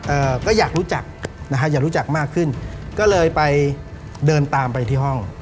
เอ่อก็อยากรู้จักนะฮะอยากรู้จักมากขึ้นก็เลยไปเดินตามไปที่ห้อง